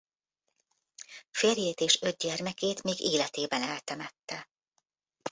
Férjét és öt gyermekét még életében eltemette.